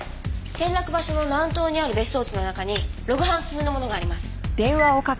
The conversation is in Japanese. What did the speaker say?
転落場所の南東にある別荘地の中にログハウス風のものがあります。